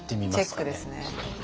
チェックですね。